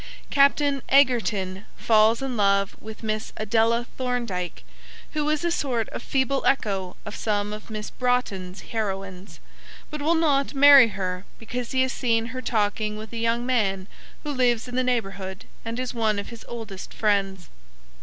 Captain Egerton falls in love with Miss Adela Thorndyke, who is a sort of feeble echo of some of Miss Broughton's heroines, but will not marry her because he has seen her talking with a young man who lives in the neighbourhood and is one of his oldest friends.